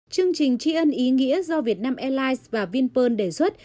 chương trình tri ân ý nghĩa do việt nam airlines và vinpearl đề xuất